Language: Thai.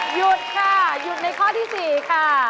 หยุดค่ะหยุดในข้อที่๔ค่ะ